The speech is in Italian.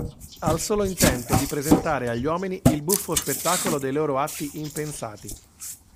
Al solo intento di presentare agli uomini il buffo spettacolo dei loro atti impensati.